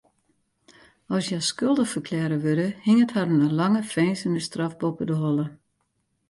As hja skuldich ferklearre wurde, hinget harren in lange finzenisstraf boppe de holle.